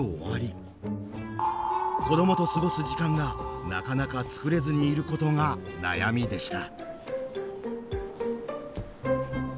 子どもと過ごす時間がなかなか作れずにいることが悩みでした。